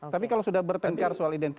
tapi kalau sudah bertengkar soal identitas